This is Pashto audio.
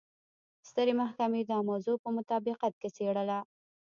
سترې محکمې دا موضوع په مطابقت کې څېړله.